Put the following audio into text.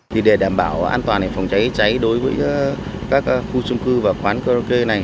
thì để đảm bảo an toàn phòng cháy cháy đối với các khu chung cư và quán cơ đề này